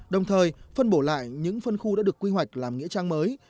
đồng thời phân bổ lại những phân khu đã được quy hoạch làm nghĩa trang mới